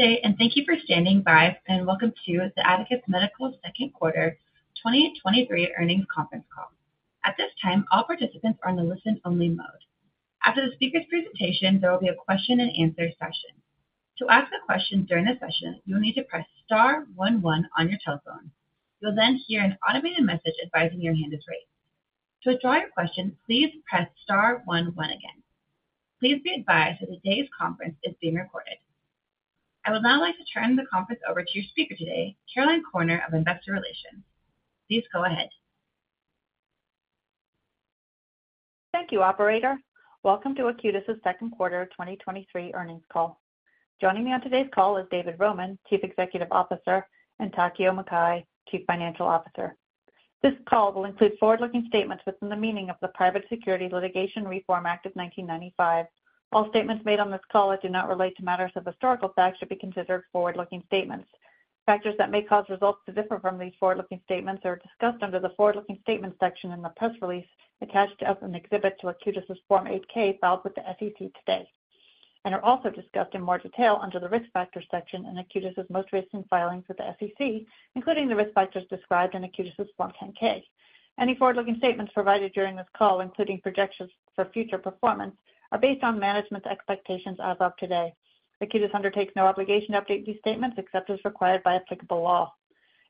today, and thank you for standing by, and welcome to the Acutus Medical second quarter 2023 earnings conference call. At this time, all participants are in the listen-only mode. After the speaker's presentation, there will be a question and answer session. To ask a question during the session, you will need to press star one one on your telephone. You'll then hear an automated message advising your hand is raised. To withdraw your question, please press star one one again. Please be advised that today's conference is being recorded. I would now like to turn the conference over to your speaker today, Caroline Corner of Investor Relations. Please go ahead. Thank you, operator. Welcome to Acutus's second quarter 2023 earnings call. Joining me on today's call is David Roman, Chief Executive Officer, and Takeo Mukai, Chief Financial Officer. This call will include forward-looking statements within the meaning of the Private Securities Litigation Reform Act of 1995. All statements made on this call that do not relate to matters of historical fact should be considered forward-looking statements. Factors that may cause results to differ from these forward-looking statements are discussed under the Forward-Looking Statements section in the press release attached as an exhibit to Acutus's Form 8-K filed with the SEC today, and are also discussed in more detail under the Risk Factors section in Acutus's most recent filings with the SEC, including the risk factors described in Acutus's Form 10-K. Any forward-looking statements provided during this call, including projections for future performance, are based on management's expectations as of today. Acutus undertakes no obligation to update these statements except as required by applicable law.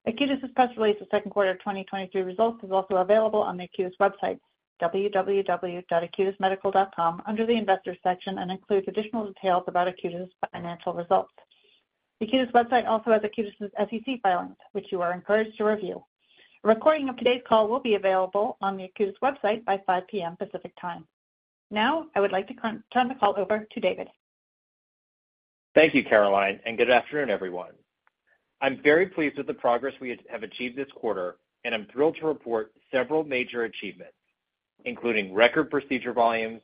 Acutus's press release for second quarter of 2023 results is also available on the Acutus website, www.acutusmedical.com, under the Investors section, and includes additional details about Acutus' financial results. Acutus' website also has Acutus' SEC filings, which you are encouraged to review. A recording of today's call will be available on the Acutus website by 5:00 P.M. Pacific Time. Now, I would like to turn the call over to David. Thank you, Caroline. Good afternoon, everyone. I'm very pleased with the progress we have achieved this quarter, and I'm thrilled to report several major achievements, including record procedure volumes,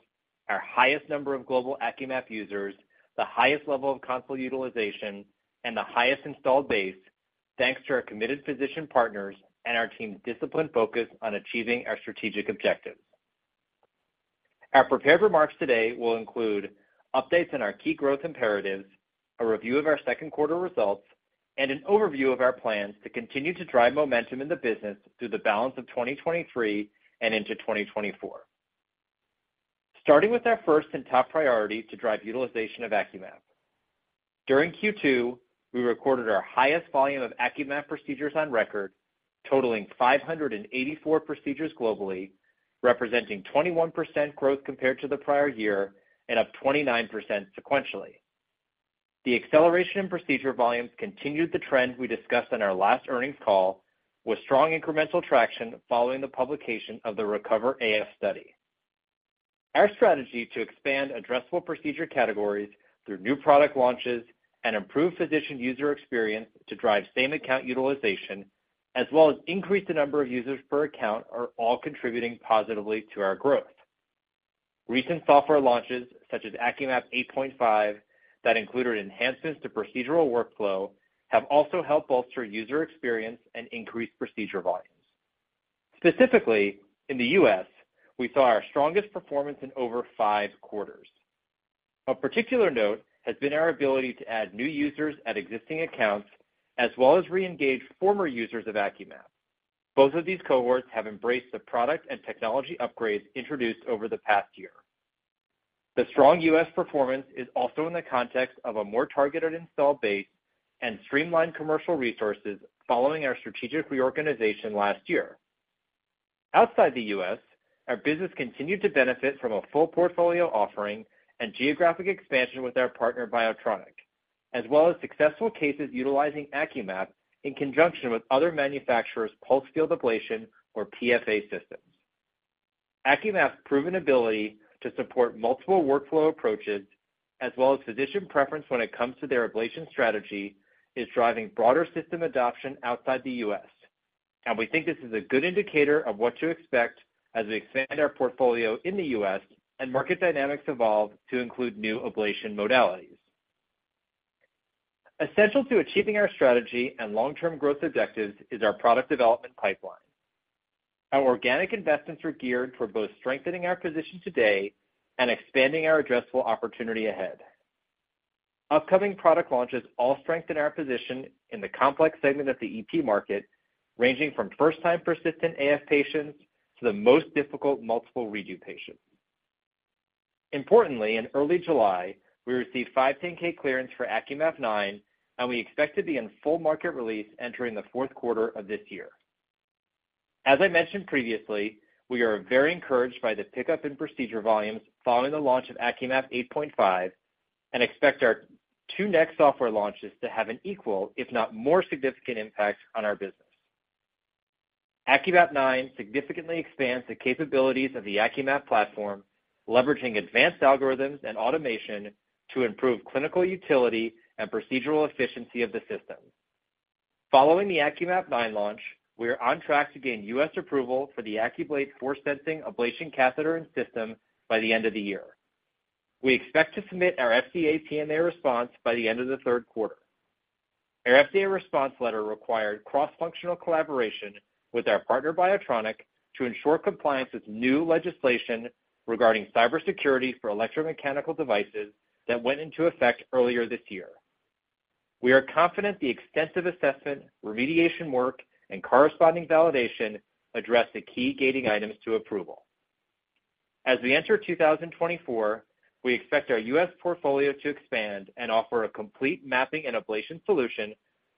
our highest number of global AcQMap users, the highest level of console utilization, and the highest installed base, thanks to our committed physician partners and our team's disciplined focus on achieving our strategic objectives. Our prepared remarks today will include updates on our key growth imperatives, a review of our second quarter results, and an overview of our plans to continue to drive momentum in the business through the balance of 2023 and into 2024. Starting with our first and top priority to drive utilization of AcQMap. During Q2, we recorded our highest volume of AcQMap procedures on record, totaling 584 procedures globally, representing 21% growth compared to the prior year and up 29% sequentially. The acceleration in procedure volumes continued the trend we discussed on our last earnings call, with strong incremental traction following the publication of the RECOVER-AF study. Our strategy to expand addressable procedure categories through new product launches and improve physician user experience to drive same-account utilization, as well as increase the number of users per account, are all contributing positively to our growth. Recent software launches, such as AcQMap 8.5, that included enhancements to procedural workflow, have also helped bolster user experience and increase procedure volumes. Specifically, in the U.S., we saw our strongest performance in over five quarters. Of particular note has been our ability to add new users at existing accounts, as well as re-engage former users of AcQMap. Both of these cohorts have embraced the product and technology upgrades introduced over the past year. The strong U.S. performance is also in the context of a more targeted install base and streamlined commercial resources following our strategic reorganization last year. Outside the U.S., our business continued to benefit from a full portfolio offering and geographic expansion with our partner, BIOTRONIK, as well as successful cases utilizing AcQMap in conjunction with other manufacturers' pulsed field ablation, or PFA, systems. AcQMap's proven ability to support multiple workflow approaches, as well as physician preference when it comes to their ablation strategy, is driving broader system adoption outside the U.S., and we think this is a good indicator of what to expect as we expand our portfolio in the U.S. and market dynamics evolve to include new ablation modalities. Essential to achieving our strategy and long-term growth objectives is our product development pipeline. Our organic investments are geared for both strengthening our position today and expanding our addressable opportunity ahead. Upcoming product launches all strengthen our position in the complex segment of the EP market, ranging from first-time persistent AF patients to the most difficult multiple redo patients. Importantly, in early July, we received 510(k) clearance for AcQMap 9, and we expect to be in full market release entering the fourth quarter of this year. As I mentioned previously, we are very encouraged by the pickup in procedure volumes following the launch of AcQMap 8.5 and expect our two next software launches to have an equal, if not more significant, impact on our business. AcQMap 9 significantly expands the capabilities of the AcQMap platform, leveraging advanced algorithms and automation to improve clinical utility and procedural efficiency of the system. Following the AcQMap 9 launch, we are on track to gain U.S. approval for the AcQBlate force-sensing ablation catheter and system by the end of the year. We expect to submit our FDA PMA response by the end of the third quarter. Our FDA response letter required cross-functional collaboration with our partner, BIOTRONIK, to ensure compliance with new legislation regarding cybersecurity for electromechanical devices that went into effect earlier this year. We are confident the extensive assessment, remediation work, and corresponding validation address the key gating items to approval. As we enter 2024, we expect our U.S. portfolio to expand and offer a complete mapping and ablation solution,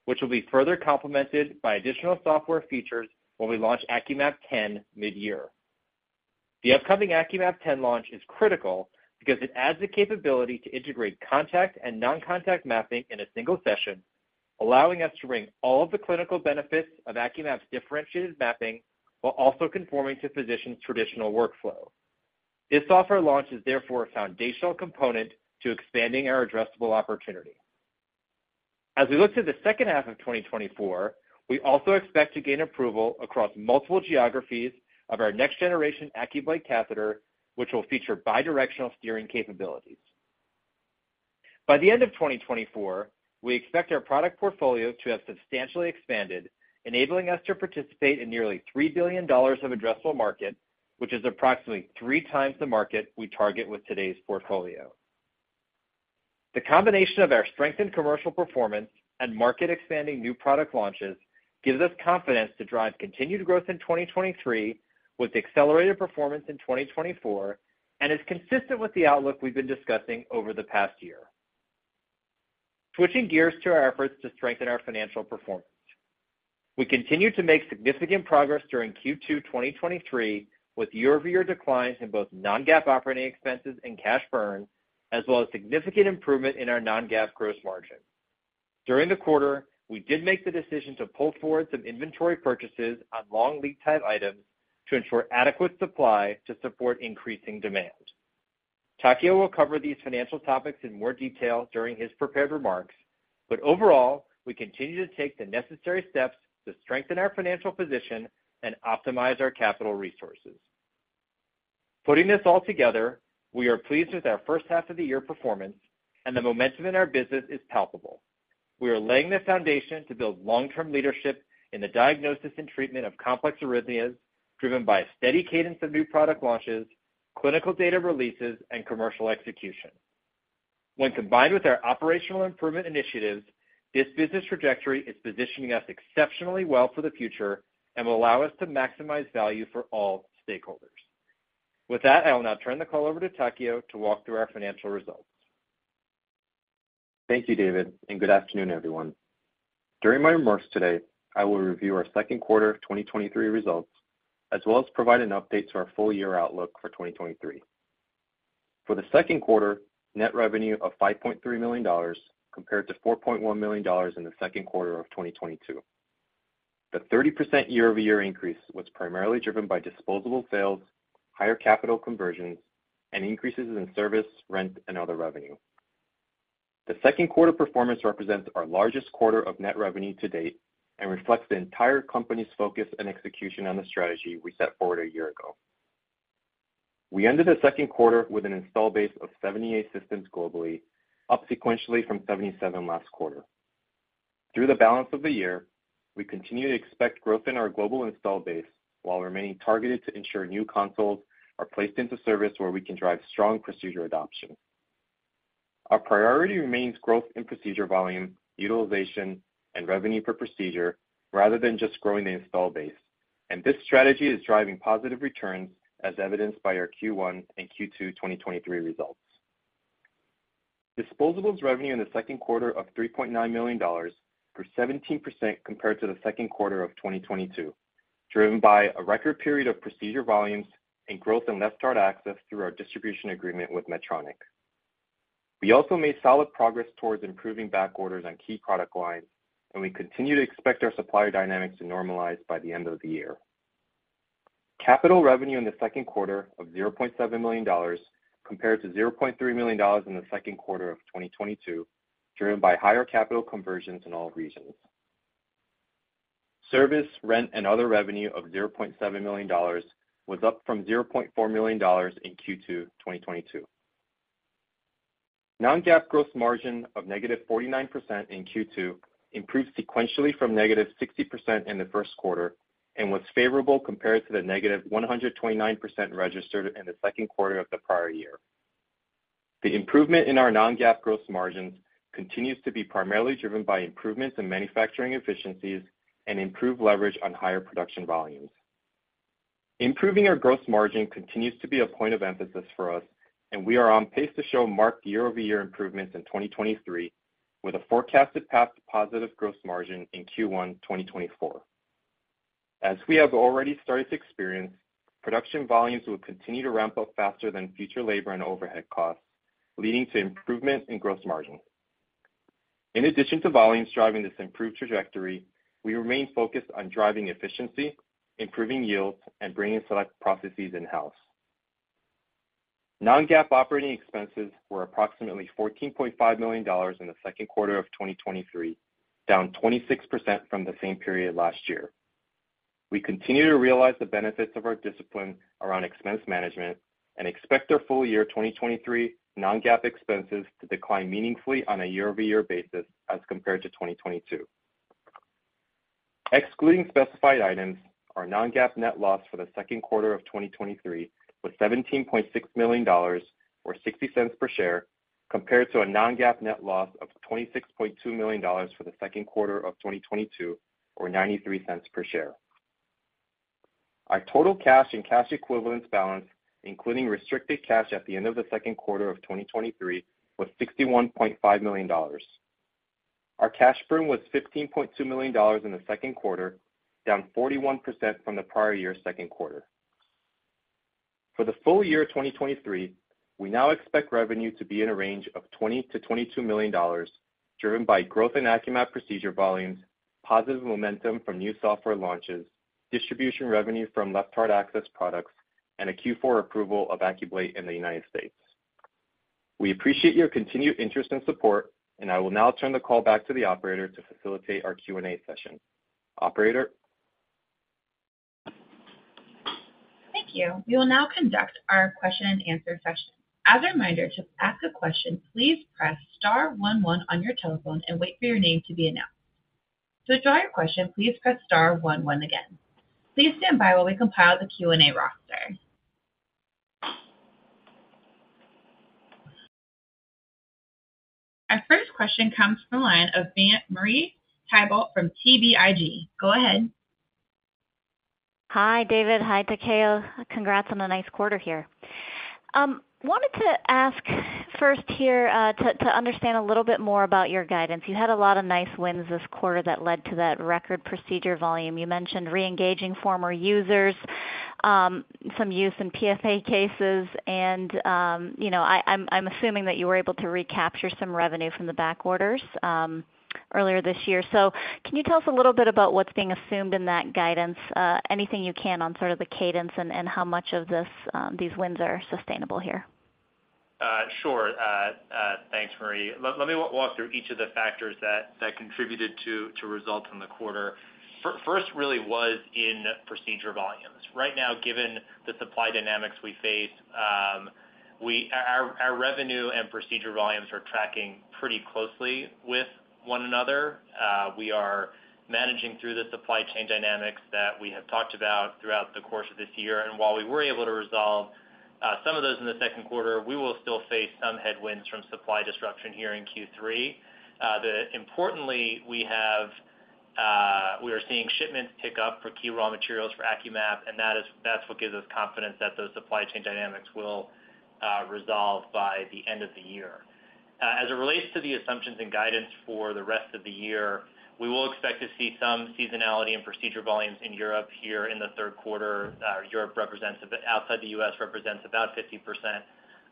which will be further complemented by additional software features when we launch AcQMap 10 mid-year. The upcoming AcQMap 10 launch is critical because it adds the capability to integrate contact and noncontact mapping in a single session, allowing us to bring all of the clinical benefits of AcQMap's differentiated mapping, while also conforming to physicians' traditional workflow. This software launch is therefore a foundational component to expanding our addressable opportunity. As we look to the second half of 2024, we also expect to gain approval across multiple geographies of our next generation AcQBlate catheter, which will feature bidirectional steering capabilities. By the end of 2024, we expect our product portfolio to have substantially expanded, enabling us to participate in nearly $3 billion of addressable market, which is approximately 3x the market we target with today's portfolio. The combination of our strengthened commercial performance and market-expanding new product launches gives us confidence to drive continued growth in 2023, with accelerated performance in 2024, is consistent with the outlook we've been discussing over the past year. Switching gears to our efforts to strengthen our financial performance. We continued to make significant progress during Q2 2023, with year-over-year declines in both non-GAAP operating expenses and cash burn, as well as significant improvement in our non-GAAP gross margin. During the quarter, we did make the decision to pull forward some inventory purchases on long lead time items to ensure adequate supply to support increasing demand. Takeo will cover these financial topics in more detail during his prepared remarks. Overall, we continue to take the necessary steps to strengthen our financial position and optimize our capital resources. Putting this all together, we are pleased with our first half of the year performance, and the momentum in our business is palpable. We are laying the foundation to build long-term leadership in the diagnosis and treatment of complex arrhythmias, driven by a steady cadence of new product launches, clinical data releases, and commercial execution. When combined with our operational improvement initiatives, this business trajectory is positioning us exceptionally well for the future and will allow us to maximize value for all stakeholders. With that, I will now turn the call over to Takeo to walk through our financial results. Thank you, David. Good afternoon, everyone. During my remarks today, I will review our second quarter of 2023 results, as well as provide an update to our full year outlook for 2023. For the second quarter, net revenue of $5.3 million, compared to $4.1 million in the second quarter of 2022. The 30% year-over-year increase was primarily driven by disposable sales, higher capital conversions, and increases in service, rent, and other revenue. The second quarter performance represents our largest quarter of net revenue to date and reflects the entire company's focus and execution on the strategy we set forward a year ago. We ended the second quarter with an install base of 78 systems globally, up sequentially from 77 last quarter. Through the balance of the year, we continue to expect growth in our global install base, while remaining targeted to ensure new consoles are placed into service where we can drive strong procedure adoption. Our priority remains growth in procedure volume, utilization, and revenue per procedure, rather than just growing the install base. This strategy is driving positive returns, as evidenced by our Q1 and Q2 2023 results. Disposables revenue in the second quarter of $3.9 million, grew 17% compared to the second quarter of 2022, driven by a record period of procedure volumes and growth in left heart access through our distribution agreement with Medtronic. We also made solid progress towards improving back orders on key product lines, and we continue to expect our supplier dynamics to normalize by the end of the year. Capital revenue in the second quarter of $0.7 million, compared to $0.3 million in the second quarter of 2022, driven by higher capital conversions in all regions. Service, rent, and other revenue of $0.7 million was up from $0.4 million in Q2 2022. Non-GAAP gross margin of -49% in Q2 improved sequentially from negative 60% in the first quarter and was favorable compared to the negative 129% registered in the second quarter of the prior year. The improvement in our non-GAAP gross margins continues to be primarily driven by improvements in manufacturing efficiencies and improved leverage on higher production volumes. Improving our gross margin continues to be a point of emphasis for us. We are on pace to show marked year-over-year improvements in 2023, with a forecasted path to positive gross margin in Q1 2024. As we have already started to experience, production volumes will continue to ramp up faster than future labor and overhead costs, leading to improvement in gross margin. In addition to volumes driving this improved trajectory, we remain focused on driving efficiency, improving yields, and bringing select processes in-house. Non-GAAP operating expenses were approximately $14.5 million in the second quarter of 2023, down 26% from the same period last year. We continue to realize the benefits of our discipline around expense management and expect our full year 2023 non-GAAP expenses to decline meaningfully on a year-over-year basis as compared to 2022. Excluding specified items, our non-GAAP net loss for the second quarter of 2023 was $17.6 million, or $0.60 per share, compared to a non-GAAP net loss of $26.2 million for the second quarter of 2022, or $0.93 per share. Our total cash and cash equivalents balance, including restricted cash at the end of the second quarter of 2023, was $61.5 million. Our cash burn was $15.2 million in the second quarter, down 41% from the prior year's second quarter. For the full year 2023, we now expect revenue to be in a range of $20 million-$22 million, driven by growth in AcQMap procedure volumes, positive momentum from new software launches, distribution revenue from left heart access products, and a Q4 approval of AcQBlate in the United States. We appreciate your continued interest and support, and I will now turn the call back to the operator to facilitate our Q&A session. Operator? Thank you. We will now conduct our question and answer session. As a reminder, to ask a question, please press star one one on your telephone and wait for your name to be announced. To withdraw your question, please press star one one again. Please stand by while we compile the Q&A roster. Our first question comes from the line of Marie Thibault from BTIG. Go ahead. Hi, David. Hi, Takeo. Congrats on a nice quarter here. Wanted to ask first here, to understand a little bit more about your guidance. You had a lot of nice wins this quarter that led to that record procedure volume. You mentioned reengaging former users, some use in PSA cases, and, you know, I'm assuming that you were able to recapture some revenue from the back orders earlier this year. Can you tell us a little bit about what's being assumed in that guidance? Anything you can on sort of the cadence and how much of this these wins are sustainable here? Sure. Thanks, Marie. Let me walk through each of the factors that contributed to results in the quarter. First really was in procedure volumes. Right now, given the supply dynamics we face, we... Our revenue and procedure volumes are tracking pretty closely with one another. We are managing through the supply chain dynamics that we have talked about throughout the course of this year, and while we were able to resolve some of those in the second quarter, we will still face some headwinds from supply disruption here in Q3. Importantly, we have, we are seeing shipments pick up for key raw materials for AcQMap, and that is that's what gives us confidence that those supply chain dynamics will resolve by the end of the year. As it relates to the assumptions and guidance for the rest of the year, we will expect to see some seasonality and procedure volumes in Europe here in the third quarter. Europe represents, outside the U.S., represents about 50%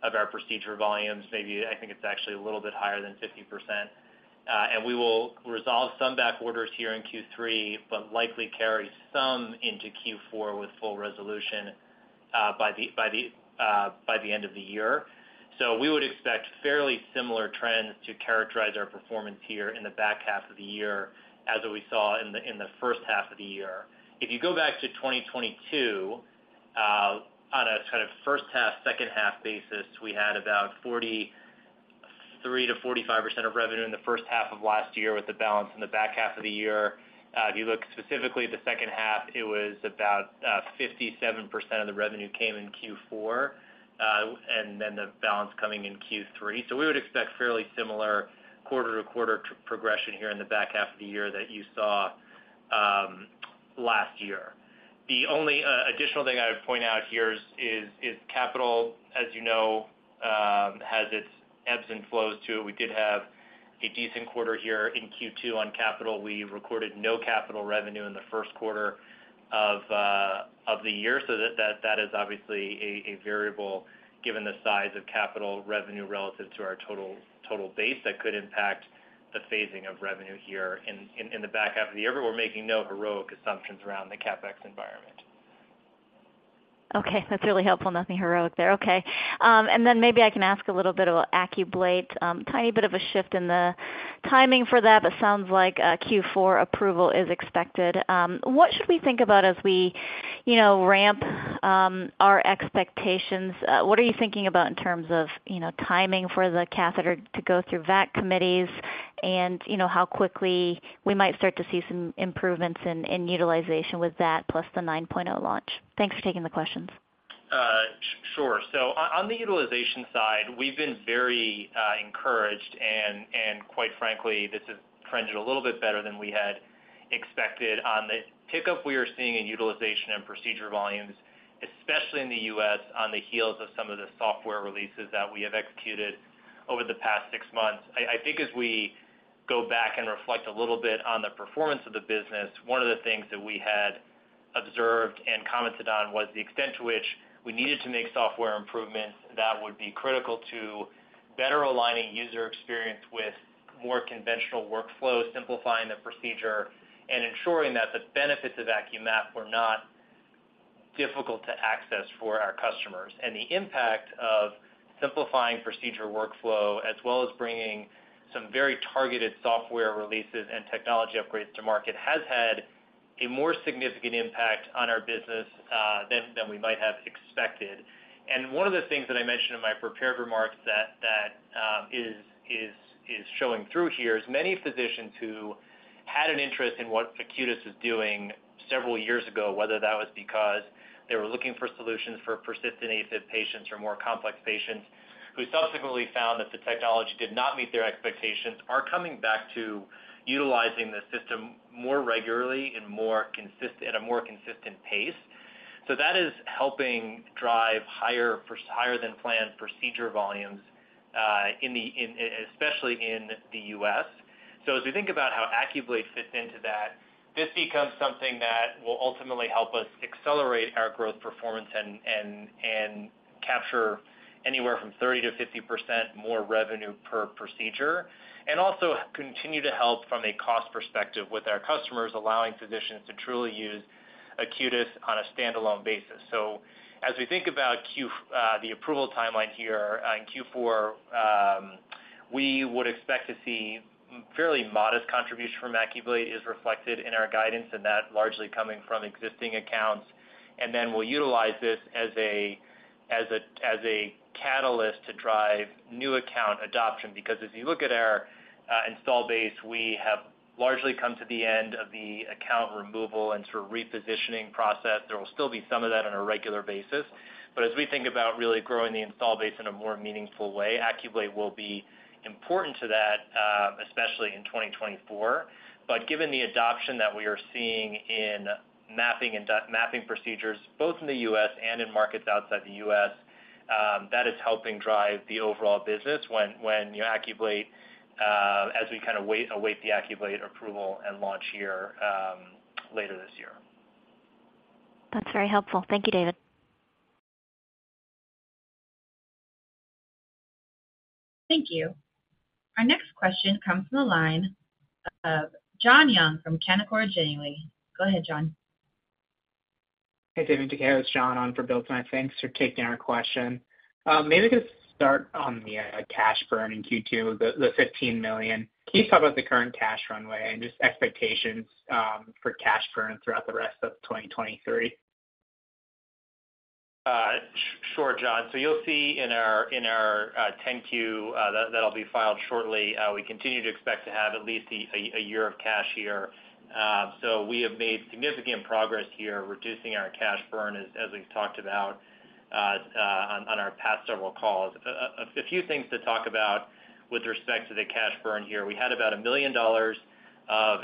of our procedure volumes. Maybe I think it's actually a little bit higher than 50%. We will resolve some back orders here in Q3, but likely carry some into Q4 with full resolution by the end of the year. We would expect fairly similar trends to characterize our performance here in the back half of the year as we saw in the first half of the year. If you go back to 2022, on a kind of first half, second half basis, we had about 43%-45% of revenue in the first half of last year, with the balance in the back half of the year. If you look specifically at the second half, it was about 57% of the revenue came in Q4, and then the balance coming in Q3. We would expect fairly similar quarter-to-quarter progression here in the back half of the year that you saw last year. The only additional thing I would point out here is, is capital, as you know, has its ebbs and flows, too. We did have a decent quarter here in Q2 on capital. We recorded no capital revenue in the first quarter of the year. That, that is obviously a variable, given the size of capital revenue relative to our total, total base, that could impact the phasing of revenue here in, in the back half of the year. We're making no heroic assumptions around the CapEx environment. Okay, that's really helpful. Nothing heroic there. Okay, maybe I can ask a little bit about AcQBlate. Tiny bit of a shift in the timing for that, sounds like a Q4 approval is expected. What should we think about as we, you know, ramp our expectations? What are you thinking about in terms of, you know, timing for the catheter to go through VAC committees, and, you know, how quickly we might start to see some improvements in, in utilization with that, plus the 9.0 launch? Thanks for taking the questions. Sure. On, on the utilization side, we've been very encouraged, and quite frankly, this has trended a little bit better than we had expected. On the pickup we are seeing in utilization and procedure volumes, especially in the U.S., on the heels of some of the software releases that we have executed over the past six months. I, I think as we go back and reflect a little bit on the performance of the business, one of the things that we had observed and commented on was the extent to which we needed to make software improvements that would be critical to better aligning user experience with more conventional workflows, simplifying the procedure and ensuring that the benefits of AcQMap were not difficult to access for our customers. The impact of simplifying procedure workflow, as well as bringing some very targeted software releases and technology upgrades to market, has had a more significant impact on our business than we might have expected. One of the things that I mentioned in my prepared remarks that is showing through here is many physicians who had an interest in what Acutus is doing several years ago, whether that was because they were looking for solutions for persistent AFib patients or more complex patients, who subsequently found that the technology did not meet their expectations, are coming back to utilizing the system more regularly and at a more consistent pace. That is helping drive higher for, higher than planned procedure volumes, especially in the U.S. As we think about how AcQBlate fits into that, this becomes something that will ultimately help us accelerate our growth performance and, and, and capture anywhere from 30%-50% more revenue per procedure, and also continue to help from a cost perspective with our customers, allowing physicians to truly use Acutus on a standalone basis. As we think about the approval timeline here on Q4, we would expect to see fairly modest contribution from AcQBlate, is reflected in our guidance, and that largely coming from existing accounts. Then we'll utilize this as a, as a, as a catalyst to drive new account adoption, because if you look at our install base, we have largely come to the end of the account removal and sort of repositioning process. There will still be some of that on a regular basis, but as we think about really growing the install base in a more meaningful way, AcQBlate will be important to that, especially in 2024. Given the adoption that we are seeing in mapping and mapping procedures, both in the U.S. and in markets outside the U.S., that is helping drive the overall business when, when AcQBlate, as we kind of wait, await the AcQBlate approval and launch here, later this year. That's very helpful. Thank you, David. Thank you. Our next question comes from the line of John Young from Canaccord Genuity. Go ahead, John. Hey, David and Takeo, it's John on for Bill Smith. Thanks for taking our question. Maybe just start on the cash burn in Q2, the $15 million. Can you talk about the current cash runway and just expectations for cash burn throughout the rest of 2023? Sure, John. You'll see in our, in our 10-Q that, that'll be filed shortly. We continue to expect to have at least a year of cash here. We have made significant progress here, reducing our cash burn, as we've talked about on our past several calls. A few things to talk about with respect to the cash burn here. We had about $1 million of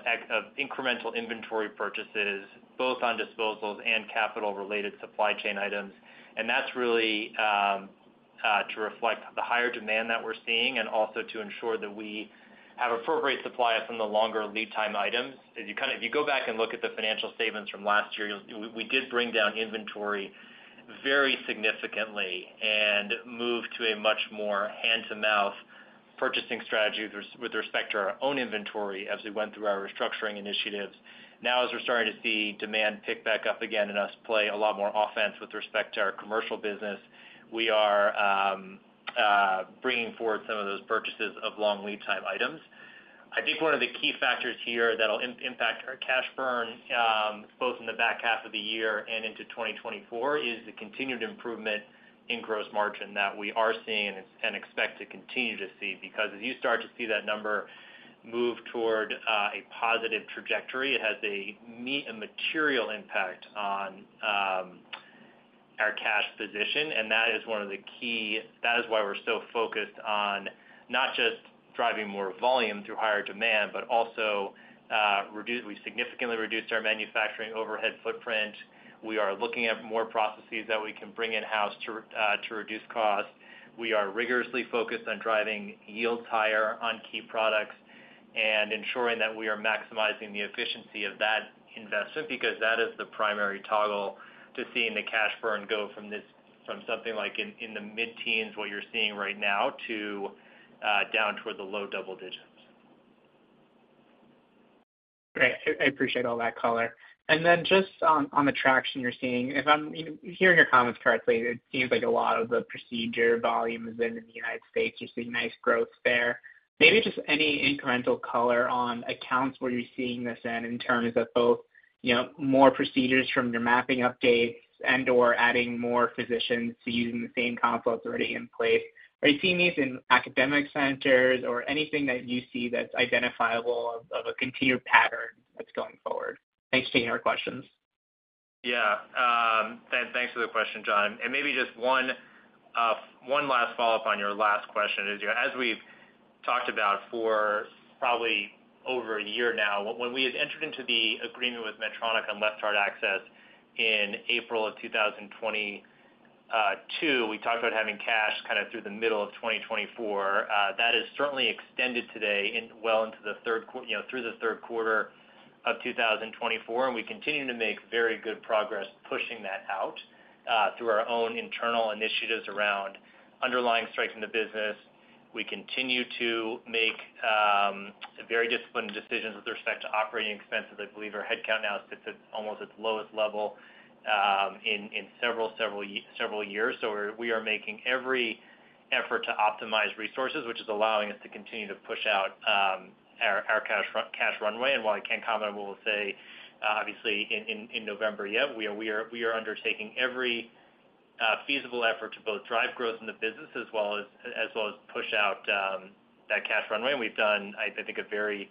incremental inventory purchases, both on disposables and capital-related supply chain items, and that's really to reflect the higher demand that we're seeing, and also to ensure that we have appropriate supply of some of the longer lead time items. If you kinda, if you go back and look at the financial statements from last year, you'll, we, we did bring down inventory very significantly and moved to a much more hand-to-mouth purchasing strategy with, with respect to our own inventory as we went through our restructuring initiatives. Now, as we're starting to see demand pick back up again and us play a lot more offense with respect to our commercial business, we are bringing forward some of those purchases of long lead time items. I think one of the key factors here that'll impact our cash burn, both in the back half of the year and into 2024, is the continued improvement in gross margin that we are seeing and, and expect to continue to see. Because as you start to see that number move toward a positive trajectory, it has a material impact on our cash position, and that is one of the key... That is why we're so focused on not just driving more volume through higher demand, but also, we significantly reduced our manufacturing overhead footprint. We are looking at more processes that we can bring in-house to reduce costs. We are rigorously focused on driving yields higher on key products and ensuring that we are maximizing the efficiency of that investment, because that is the primary toggle to seeing the cash burn go from this, from something like in, in the mid-teens, what you're seeing right now, to down toward the low double digits. Great. I, I appreciate all that color. Then just on, on the traction you're seeing, if I'm hearing your comments correctly, it seems like a lot of the procedure volume has been in the United States. You're seeing nice growth there. Maybe just any incremental color on accounts where you're seeing this in, in terms of both, you know, more procedures from your mapping updates and/or adding more physicians to using the same consoles already in place. Are you seeing these in academic centers or anything that you see that's identifiable of, of a continued pattern that's going forward? Thanks for taking our questions. Yeah, thanks for the question, John. Maybe just one, one last follow-up on your last question is, as we've talked about for probably over a year now, when we had entered into the agreement with Medtronic on left heart access in April of 2022, we talked about having cash kinda through the middle of 2024. That is certainly extended today in, well into the third, you know, through the third quarter of 2024, and we continue to make very good progress pushing that out. through our own internal initiatives around underlying strength in the business. We continue to make very disciplined decisions with respect to operating expenses. I believe our headcount now sits at almost its lowest level, in, in several, several years. We are making every effort to optimize resources, which is allowing us to continue to push out, our cash run- cash runway. While I can't comment, I will say, obviously, in November, we are undertaking every feasible effort to both drive growth in the business as well as push out, that cash runway. We've done, I, I think, a very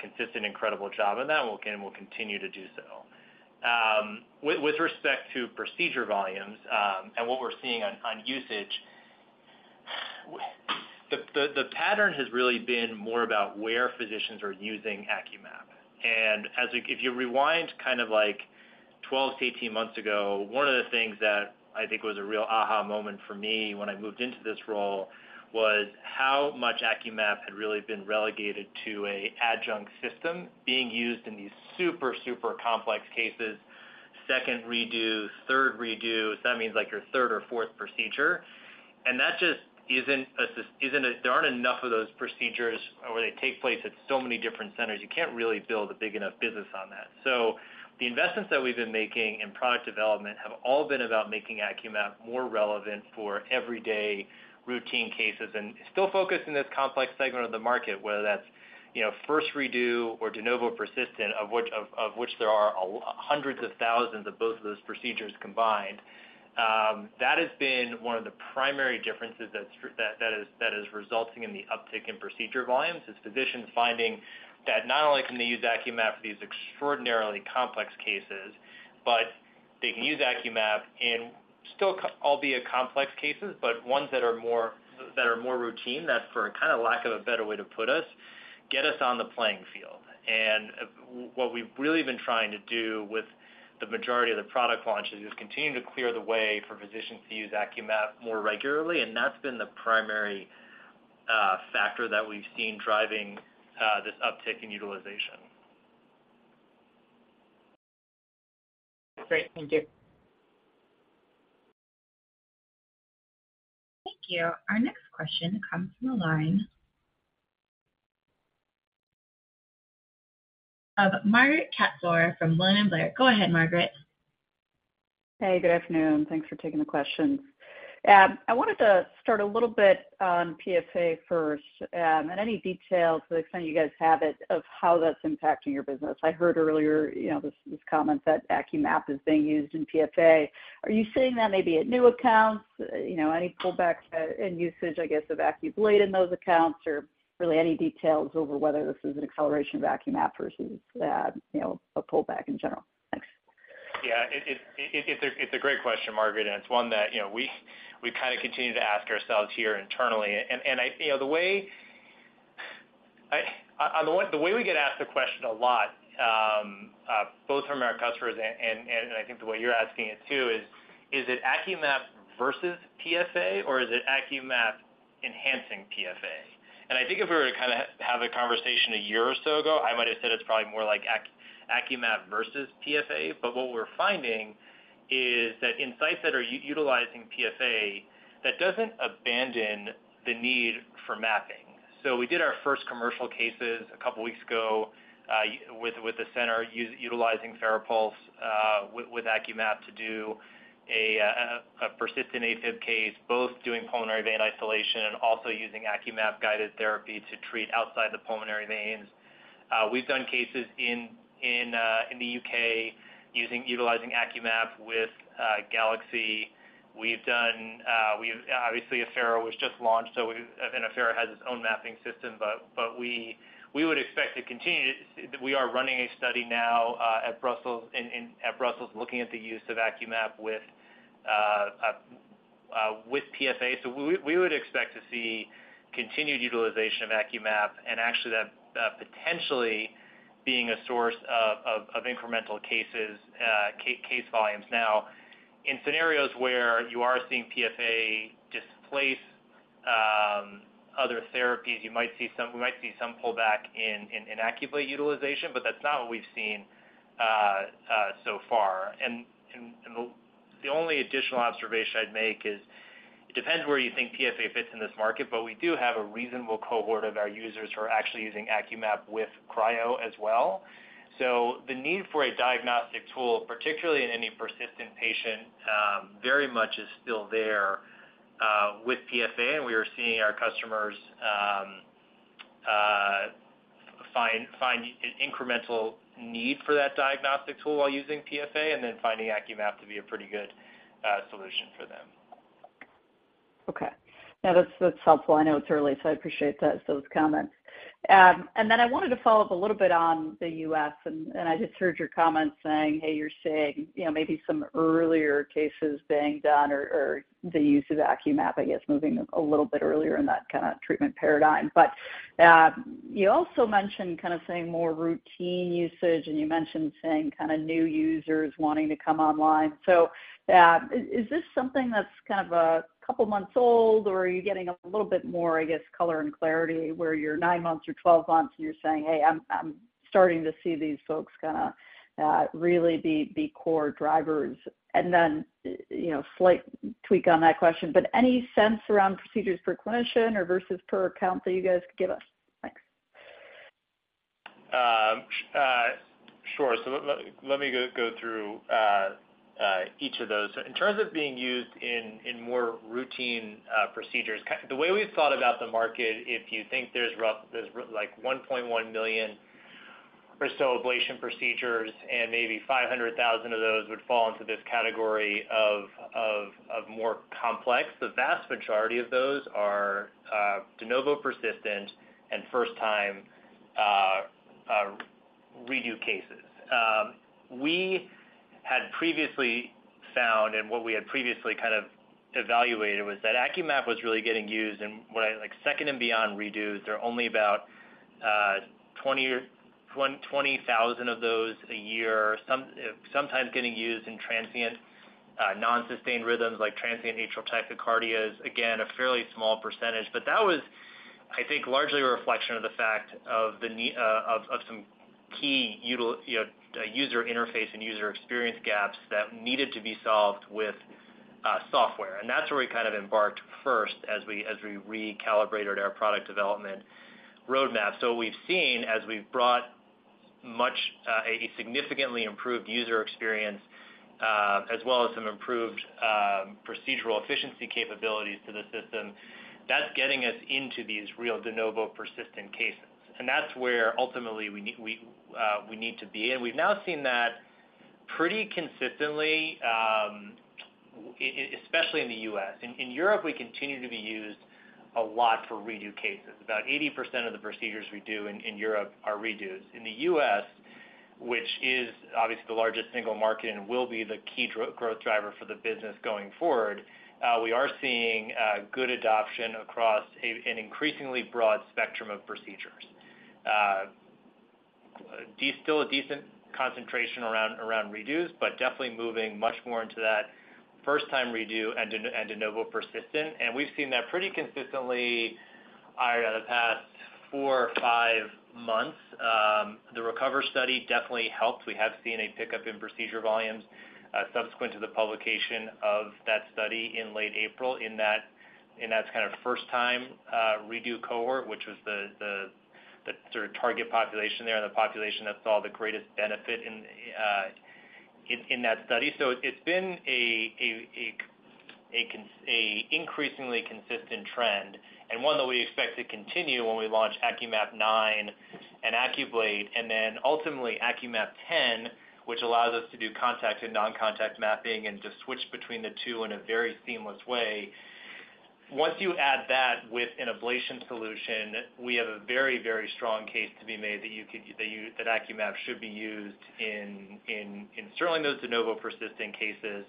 consistent, incredible job on that, and we'll continue to do so. With, with respect to procedure volumes, and what we're seeing on, on usage, the pattern has really been more about where physicians are using AcQMap. As it-- if you rewind kind of like 12 to 18 months ago, one of the things that I think was a real aha moment for me when I moved into this role, was how much AcQMap had really been relegated to a adjunct system being used in these super, super complex cases. second redo, third redo, so that means like your third or fourth procedure. That just isn't a. There aren't enough of those procedures, or they take place at so many different centers, you can't really build a big enough business on that. The investments that we've been making in product development have all been about making AcQMap more relevant for everyday routine cases and still focused in this complex segment of the market, whether that's, you know, first redo or de novo persistent, of which there are a hundreds of thousands of both of those procedures combined. That has been one of the primary differences that is resulting in the uptick in procedure volumes, is physicians finding that not only can they use AcQMap for these extraordinarily complex cases, but they can use AcQMap in still, albeit complex cases, but ones that are more, that are more routine. That for a kind of lack of a better way to put us, get us on the playing field. What we've really been trying to do with the majority of the product launches is continue to clear the way for physicians to use AcQMap more regularly, and that's been the primary factor that we've seen driving this uptick in utilization. Great. Thank you. Thank you. Our next question comes from the line of Margaret Kaczor from William Blair. Go ahead, Margaret. Hey, good afternoon. Thanks for taking the questions. I wanted to start a little bit on PSA first. Any details to the extent you guys have it, of how that's impacting your business. I heard earlier, you know, this, this comment that AcQMap is being used in PSA. Are you seeing that maybe at new accounts, you know, any pullbacks in usage, I guess, of AcQBlate in those accounts, or really any details over whether this is an acceleration of AcQMap versus, you know, a pullback in general? Thanks. Yeah, it, it, it's a, it's a great question, Margaret, and it's one that, you know, we, we kind of continue to ask ourselves here internally. You know, the way, the way we get asked the question a lot, both from our customers and, and, and I think the way you're asking it, too, is: Is it AcQMap versus PSA, or is it AcQMap enhancing PSA? I think if we were to kind of have, have a conversation a year or so ago, I might have said it's probably more like AcQMap versus PSA. What we're finding is that in sites that are utilizing PSA, that doesn't abandon the need for mapping. We did our first commercial cases a couple weeks ago, with, with the center utilizing FARAPULSE, with, with AcQMap to do a persistent AFib case, both doing pulmonary vein isolation and also using AcQMap guided therapy to treat outside the pulmonary veins. We've done cases in, in the U.K. utilizing AcQMap with Galaxy. We've done, obviously, Affera was just launched, so we, and Affera has its own mapping system. We, we would expect to continue. We are running a study now, at Brussels, looking at the use of AcQMap with, with PSA. We, we would expect to see continued utilization of AcQMap and actually that potentially being a source of, of, of incremental cases, case volumes. Now, in scenarios where you are seeing PSA displace, other therapies, you might see some- we might see some pullback in, in, in AcQBlate utilization, but that's not what we've seen so far. The, the only additional observation I'd make is it depends where you think PSA fits in this market, but we do have a reasonable cohort of our users who are actually using AcQMap with Cryo as well. The need for a diagnostic tool, particularly in any persistent patient, very much is still there with PSA, and we are seeing our customers find, find an incremental need for that diagnostic tool while using PSA, and then finding AcQMap to be a pretty good solution for them. Okay. Now, that's, that's helpful. I know it's early, so I appreciate that, those comments. Now, I wanted to follow up a little bit on the U.S., I just heard your comment saying, hey, you're seeing, you know, maybe some earlier cases being done or, or the use of AcQMap, I guess, moving a little bit earlier in that kind of treatment paradigm. You also mentioned kind of saying more routine usage, and you mentioned saying kind of new users wanting to come online. Is, is this something that's kind of a couple months old, or are you getting a little bit more, I guess, color and clarity, where you're nine months or 12 months, and you're saying: Hey, I'm, I'm starting to see these folks kind of, really be, be core drivers. You know, slight tweak on that question, but any sense around procedures per clinician or versus per account that you guys could give us? Let me go through each of those. In terms of being used in more routine procedures, the way we've thought about the market, if you think there's like 1.1 million or so ablation procedures, and maybe 500,000 of those would fall into this category of more complex. The vast majority of those are de novo persistent and first time redo cases. We had previously found, and what we had previously kind of evaluated, was that AcQMap was really getting used in what I, like, second and beyond redos. There are only about 20,000 of those a year, sometimes getting used in transient non-sustained rhythms, like transient atrial tachycardias. Again, a fairly small percentage. That was, I think, largely a reflection of the fact of some key, you know, user interface and user experience gaps that needed to be solved with software. That's where we kind of embarked first as we, as we recalibrated our product development roadmap. We've seen, as we've brought much, a significantly improved user experience, as well as some improved procedural efficiency capabilities to the system, that's getting us into these real de novo persistent cases. That's where ultimately we, we need to be. We've now seen that pretty consistently, especially in the U.S. In Europe, we continue to be used a lot for redo cases. About 80% of the procedures we do in Europe are redos. In the U.S., which is obviously the largest single market and will be the key growth driver for the business going forward, we are seeing good adoption across a, an increasingly broad spectrum of procedures. Still a decent concentration around, around redos, but definitely moving much more into that first time redo and de novo persistent. We've seen that pretty consistently, the past four or five months. The RECOVER study definitely helped. We have seen a pickup in procedure volumes, subsequent to the publication of that study in late April, in that, in that kind of first time, redo cohort, which was the, the, the sort of target population there, the population that saw the greatest benefit in, in that study. It's been a con- a increasingly consistent trend, and one that we expect to continue when we launch AcQMap 9 and AcQBlate, and then ultimately, AcQMap 10, which allows us to do contact and noncontact mapping and to switch between the two in a very seamless way. Once you add that with an ablation solution, we have a very, very strong case to be made that you could, that you that AcQMap should be used in, in, in certainly those de novo persistent cases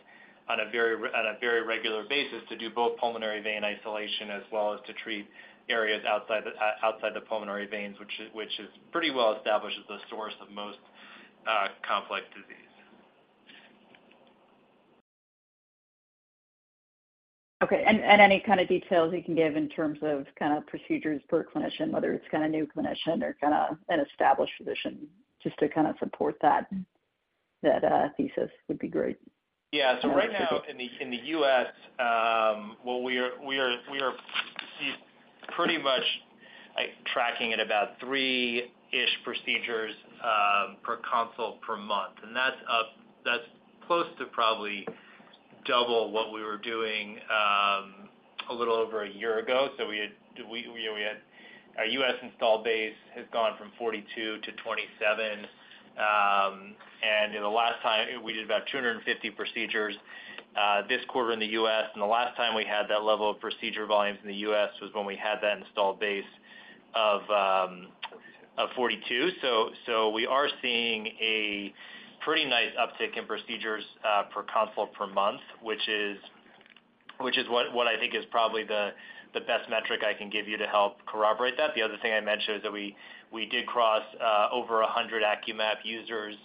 on a very re- on a very regular basis to do both pulmonary vein isolation, as well as to treat areas outside the, outside the pulmonary veins, which is, which is pretty well established as the source of most complex disease. Okay. Any kind of details you can give in terms of kind of procedures per clinician, whether it's kind of new clinician or kind of an established physician, just to kind of support that, that thesis would be great. Yeah. Right now in the, in the U.S., well, we are, we are, we are pretty much, like, tracking at about three-ish procedures per consult per month. That's, that's close to probably double what we were doing a little over a year ago. We had, we, we had... Our U.S. install base has gone from 42 to 27. In the last time, we did about 250 procedures this quarter in the U.S., the last time we had that level of procedure volumes in the U.S. was when we had that installed base of 42. We are seeing a pretty nice uptick in procedures, per consult per month, which is, which is what, what I think is probably the, the best metric I can give you to help corroborate that. The other thing I mentioned is that we, we did cross, over 100 AcQMap users,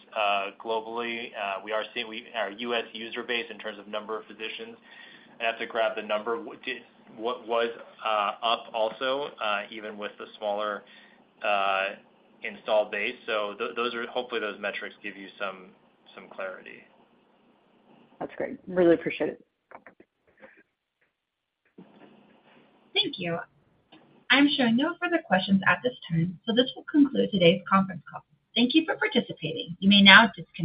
globally. We are seeing our U.S. user base in terms of number of physicians, I have to grab the number, it was, up also, even with the smaller, install base. Those are, hopefully, those metrics give you some, some clarity. That's great. Really appreciate it. Thank you. I'm showing no further questions at this time, so this will conclude today's conference call. Thank you for participating. You may now disconnect.